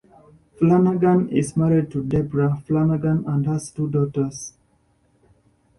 Flanagan is married to Debra Flanagan and has two daughters.